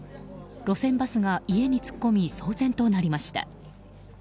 路線バスが家に突っ込み騒然となりました。